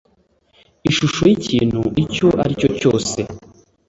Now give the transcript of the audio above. ishusho y’ikintu icyo ari cyo cyose,